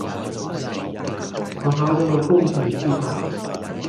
我考咗個工程師牌